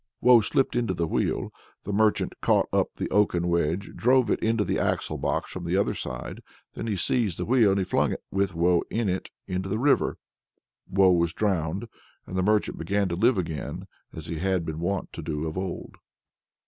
Woe slipped into the wheel; the merchant caught up the oaken wedge, and drove it into the axle box from the other side. Then he seized the wheel and flung it, with Woe in it, into the river. Woe was drowned, and the merchant began to live again as he had been wont to do of old.